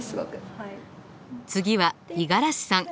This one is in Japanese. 次は五十嵐さん。